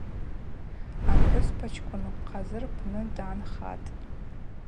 Апхӏвыспачкӏвын лхъазы рпны дгӏанхатӏ.